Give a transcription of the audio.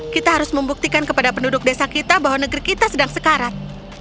kita harus membuktikan kepada penduduk desa kita bahwa negeri kita sedang sekarat